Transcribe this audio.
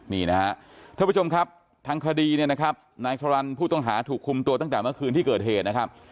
ท่านผู้ชมครับทั้งคดีนะครับนายธรรมรรณผู้ต้องหาถูกคุมตัวตั้งแต่เมื่อคืนที่เกิดเหตุนะครับ